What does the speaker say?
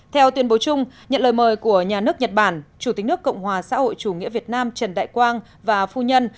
theo tuyên bố chung nhận lời mời của nhà nước nhật bản chủ tính nước cộng hòa xã hội chủ nghĩa việt nam trần đại quang và phu nhân